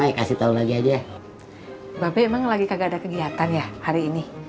hai dong kasih tahu lagi aja bapak emang lagi kagak ada kegiatan ya hari ini